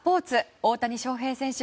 大谷翔平選手